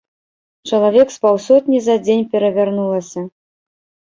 Чалавек з паўсотні за дзень перавярнулася.